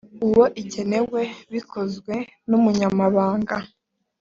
uwo igenewe bikozwe n umunyamabanga